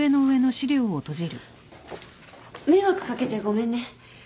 迷惑かけてごめんね。